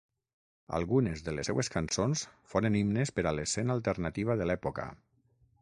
Algunes de les seues cançons foren himnes per a l'escena alternativa de l'època.